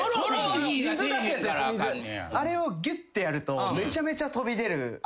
あれをぎゅってやるとめちゃめちゃ飛び出る。